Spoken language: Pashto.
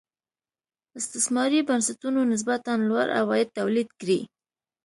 استثماري بنسټونو نسبتا لوړ عواید تولید کړي.